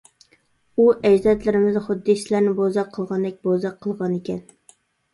ئۇ ئەجدادلىرىمىزنى خۇددى سىلەرنى بوزەك قىلغاندەك بوزەك قىلغانىكەن.